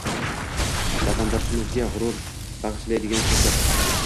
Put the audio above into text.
Vatandoshlarimizga g‘urur bag‘ishlaydigan qo‘shiq